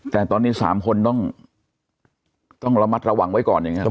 แต่ตอนนี้๓คนต้องระมัดระวังไว้ก่อนอย่างนี้หรอ